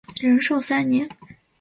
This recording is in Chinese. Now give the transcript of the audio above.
仁寿三年。